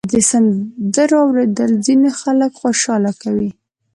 د سندرو اورېدل ځینې خلک خوشحاله کوي.